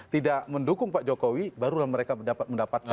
tidak mendukung pak jokowi barulah mereka mendapatkan